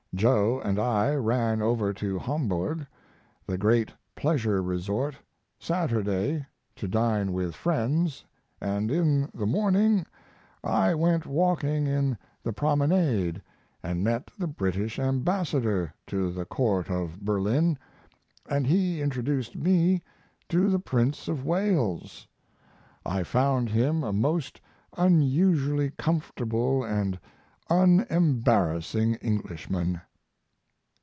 Joe & I ran over to Homburg, the great pleasure resort, Saturday, to dine with friends, & in the morning I went walking in the promenade & met the British ambassador to the Court of Berlin and he introduced me to the Prince of Wales. I found him a most unusually comfortable and unembarrassing Englishman.